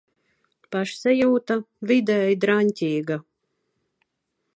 Pašsajūta - vidēji draņķīga.